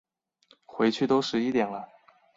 回去都十一点了